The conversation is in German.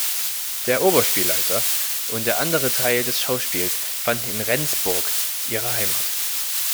Der Oberspielleiter und der andere Teil des Schauspiels fanden in Rendsburg ihre Heimat.